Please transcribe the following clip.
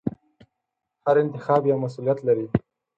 هر انتخاب یو مسؤلیت لري.